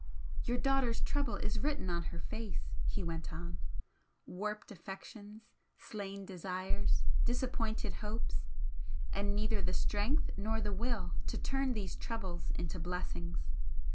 "Your daughter's trouble is written on her face" he went on "Warped affections, slain desires, disappointed hopes, and neither the strength nor the will to turn these troubles to blessings.